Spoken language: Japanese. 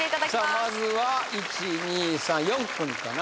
まずは１２３４組かな